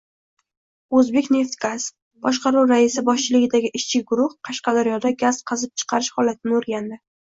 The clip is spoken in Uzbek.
O‘zbekneftgaz: Boshqaruv raisi boshchiligidagi ishchi guruh Qashqadaryoda gaz qazib chiqarish holatini o‘rgandi